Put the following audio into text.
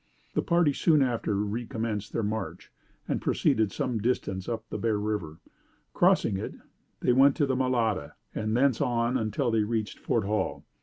The party soon after recommenced their march and proceeded some distance up the Bear River. Crossing it they went to the Malade and thence on until they reached Fort Hall.